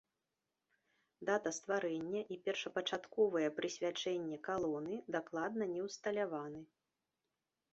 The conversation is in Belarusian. Дата стварэння і першапачатковае прысвячэнне калоны дакладна не ўсталяваны.